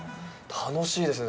楽しいですね